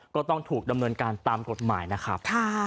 ก็ต้องถูกดำเนินการตามกฎหมายนะครับ